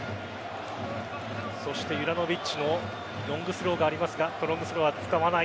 そしてユラノヴィッチのロングスローがありますがロングスローは使わない。